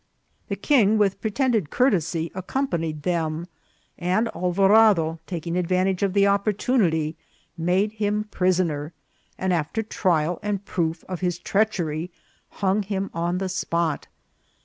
The king, with pretended courtesy, accompanied them, and Alvarado, taking advantage of the opportunity, made him prisoner, and after trial and proof of his treachery, hung him on the spot.